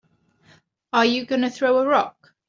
Are you gonna throw a rock?